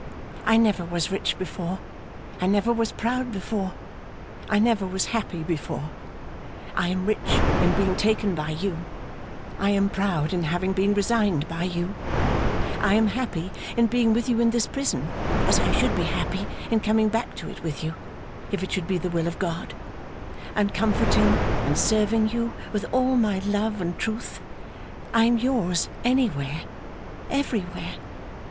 I never was rich before, I never was proud before, I never was happy before, I am rich in being taken by you, I am proud in having been resigned by you, I am happy in being with you in this prison, as I should be happy in coming back to it with you, if it should be the will of GOD, and comforting and serving you with all my love and truth. I am yours anywhere, everywhere!